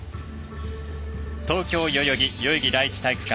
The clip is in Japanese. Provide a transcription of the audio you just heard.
東京・代々木代々木第一体育館。